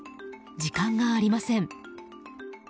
時間がありません。